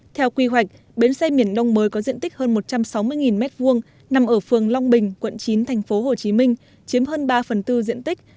theo quy hoạch bến xe miền đông mới có diện tích hơn một trăm sáu mươi m hai nằm ở phường long bình quận chín tp hcm chiếm hơn ba phần tư diện tích